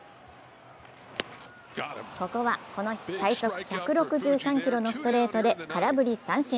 ここは、この日最速１６３キロのストレートで空振り三振。